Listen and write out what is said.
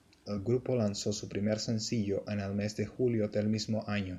El grupo lanzó su primer sencillo en el mes de julio del mismo año.